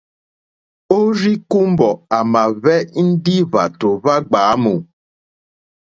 Òrzíkùmbɔ̀ à mà hwɛ́ ndí hwàtò hwá gbǎmù.